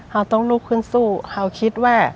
เราต้องลุกขึ้นสู้เขาคิดว่า